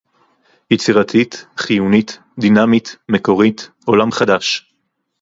יצירתית, חיונית, דינמית, מקורית, עולם חדש